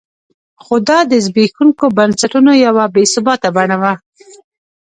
خو دا د زبېښونکو بنسټونو یوه بې ثباته بڼه وه.